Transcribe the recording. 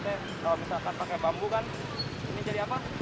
kalau misalkan pakai bambu kan ini jadi apa